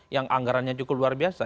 yang anggarannya cukup luar biasa